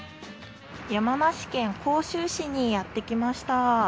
山梨県甲州市にやってきました。